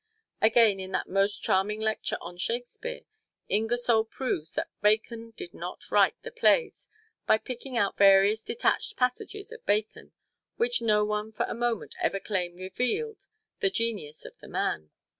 Again, in that most charming lecture on Shakespeare, Ingersoll proves that Bacon did not write the plays, by picking out various detached passages of Bacon, which no one for a moment ever claimed revealed the genius of the man.